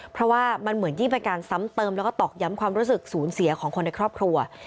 เพราะว่ามันเหมือนยิ่งเป็นการซ้ำเติมแล้วก็ตอกย้ำความรู้สึกสูญเสียของคนในครอบครัว